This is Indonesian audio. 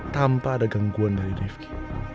tanpa ada gangguan dari divki